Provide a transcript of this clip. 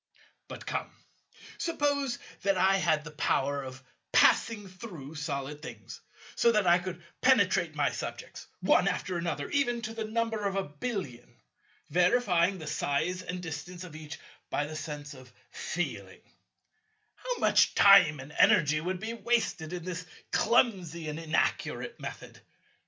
But come, suppose that I had the power of passing through solid things, so that I could penetrate my subjects, one after another, even to the number of a billion, verifying the size and distance of each by the sense of feeling: How much time and energy would be wasted in this clumsy and inaccurate method!